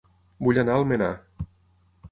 Vull anar a Almenar